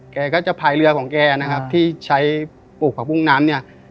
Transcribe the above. แกก็จะพายเรือของแกนะครับที่ใช้ปลูกผักบุ้งน้ำเนี่ย